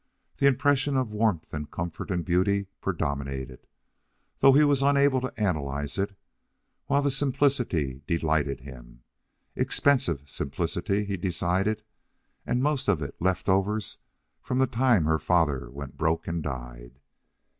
The impression of warmth and comfort and beauty predominated, though he was unable to analyze it; while the simplicity delighted him expensive simplicity, he decided, and most of it leftovers from the time her father went broke and died.